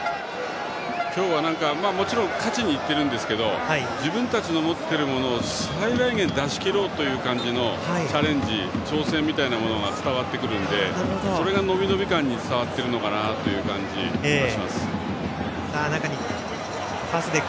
今日はもちろん勝ちに行っているんですけど自分たちの持っているものを最大限出し切ろうという感じのチャレンジ挑戦が伝わってくるのでそれが伸び伸び感に伝わっているのかなという感じがします。